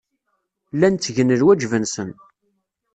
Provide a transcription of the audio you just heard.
Llan ttgen lwajeb-nsen.